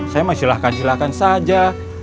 saya mah silahkan silahkan saja